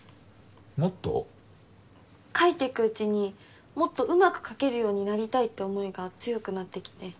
もっと？描いていくうちにもっと上手く描けるようになりたいって思いが強くなってきて。